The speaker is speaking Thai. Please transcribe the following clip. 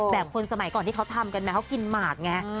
คนสมัยก่อนที่เขาทำกันนะเขากินหมากไง